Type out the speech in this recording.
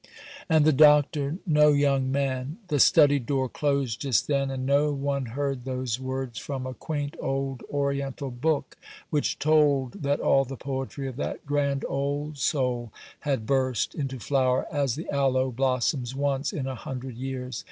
And the Doctor—— No, young man, the study door closed just then, and no one heard those words from a quaint old oriental book which told that all the poetry of that grand old soul had burst into flower, as the aloe blossoms once in a hundred years.